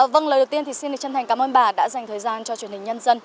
vâng lời đầu tiên thì xin chân thành cảm ơn bà đã dành thời gian cho truyền hình nhân dân